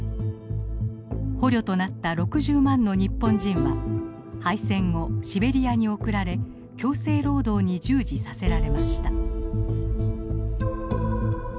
捕虜となった６０万の日本人は敗戦後シベリアに送られ強制労働に従事させられました。